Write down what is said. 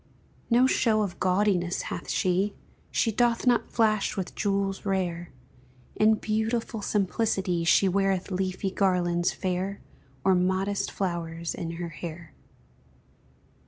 No show of gaudiness hath she, She doth not flash with jewels rare; In beautiful simplicity She weareth leafy garlands fair, Or modest flowers in her hair.